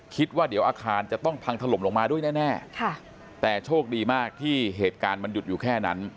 คิดว่าเดี๋ยวอาคารจะต้องพังถล่มลงมาด้วยแน่แต่โชคดีมากที่เหตุการณ์มันหยุดอยู่แค่นั้น